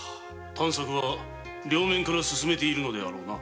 探索は両面から進めているのであろうな。